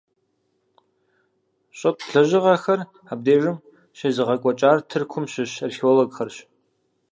ЩӀытӀ лэжьыгъэхэр абдежым щезыгъэкӀуэкӀар Тыркум щыщ археологхэрщ.